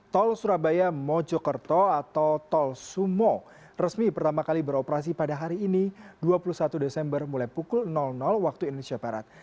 tol surabaya mojokerto atau tol sumo resmi pertama kali beroperasi pada hari ini dua puluh satu desember mulai pukul waktu indonesia barat